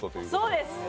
そうです！